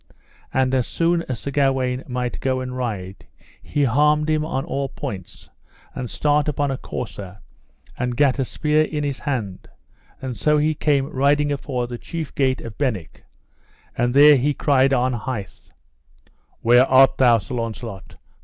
And as soon as Sir Gawaine might go and ride, he armed him at all points, and start upon a courser, and gat a spear in his hand, and so he came riding afore the chief gate of Benwick; and there he cried on height: Where art thou, Sir Launcelot?